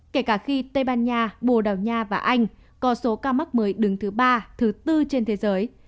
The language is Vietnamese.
kể cả khi tây ban nha bồ đào nha và anh có số ca mắc mới đứng thứ ba thứ tư trên thế giới